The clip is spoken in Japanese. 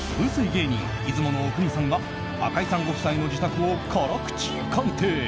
芸人・出雲阿国さんが赤井さんご夫妻の自宅を辛口鑑定。